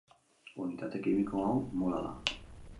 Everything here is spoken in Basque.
Unitate kimiko hau mola da.